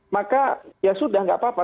maka ya sudah tidak apa apa